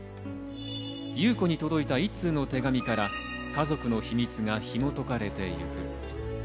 優子に届いた一通の手紙から家族の秘密が紐解かれてゆく。